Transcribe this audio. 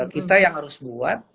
kita yang harus buat